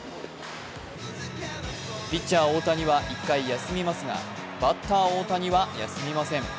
ピッチャー・大谷は１回休みますがバッター・大谷は休みません。